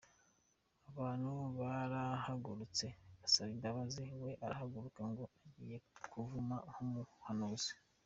Abantu barahagurutse basaba imbabazi, we arahaguruka ngo agiye kuvuma nk’umuhanuzi.